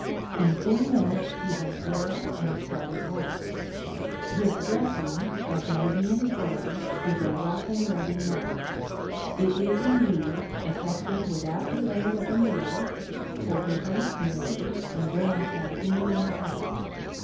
In ten minutes he has dressed and started work. His dressing, as A DAY WITH WILLIAM MORRIS. may be inferred, is a rough and ready matter : it is, indeed, effected without the aid of a mirror, for he hates mirrors and will not have any in the house.